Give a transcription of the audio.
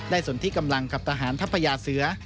สนที่กำลังกับทหารทัพยาเสือ